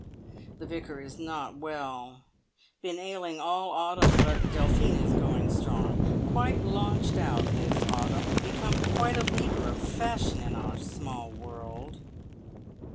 "The Vicar is not well; been ailing all autumn, but Delphine is going strong. Quite launched out this autumn. Become quite a leader of fashion in our small world."